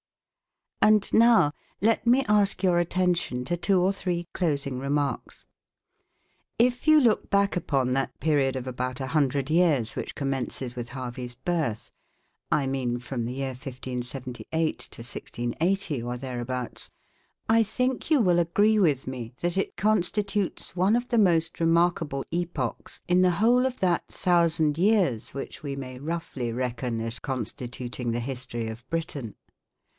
And now let me ask your attention to two or three closing remarks. If you look back upon that period of about 100 years which commences with Harvey's birth I mean from the year 1578 to 1680 or thereabouts I think you will agree with me, that it constitutes one of the most remarkable epochs in the whole of that thousand years which we may roughly reckon as constituting the history of Britain.